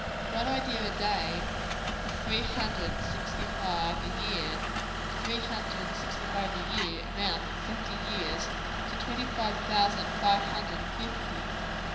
One idea a day is three hundred and sixty five a year; and three hundred and sixty five a year, amount, in seventy years, to twenty five thousand five hundred and fifty.